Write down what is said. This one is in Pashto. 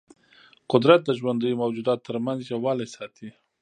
قدرت د ژوندیو موجوداتو ترمنځ یووالی ساتي.